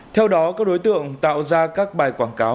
theo đó các đối tượng tạo ra các bài quảng cáo